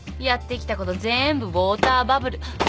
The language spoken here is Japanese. やってきたことぜーんぶウオーターバブル。